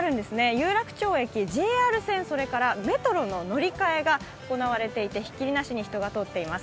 有楽町駅、ＪＲ線、メトロの乗り換えが行われていて、ひっきりなしに人が通っています。